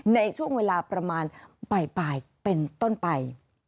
ในช่วงเวลาประมาณบ่ายเป็นต้นไป